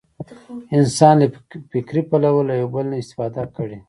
انسان له فکري پلوه له یو بل نه استفاده کړې.